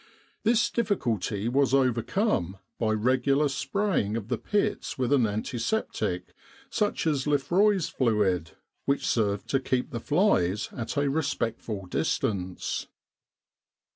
This difficulty was overcome by regular spraying of the pits with an antiseptic, such as Lefroy's Fluid, which served to keep the flies at a rtespectful distance.